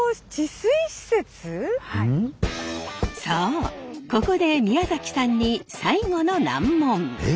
そうここで宮崎さんに最後の難問！